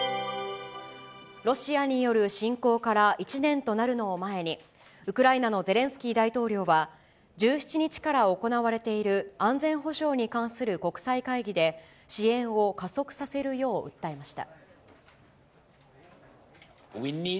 ロシアによる侵攻から１年となるのを前に、ウクライナのゼレンスキー大統領は、１７日から行われている安全保障に関する国際会議で、支援を加速させるよう訴えました。